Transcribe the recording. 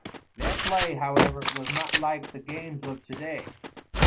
Their play, however, was not like the games of to day.